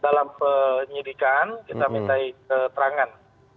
dalam penyidikan kita minta keterangan